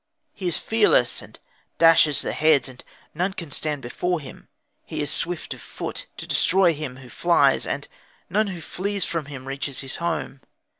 He is fearless, and dashes the heads, and none can stand before him. He is swift of foot, to destroy him who flies; and none who flees from him reaches his home.